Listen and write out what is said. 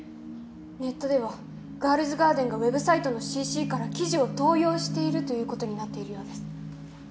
ネットでは『ガールズガーデン』がウェブサイトの『ＣＣ』から記事を盗用しているということになっているようです。